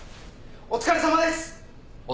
お疲れさまです。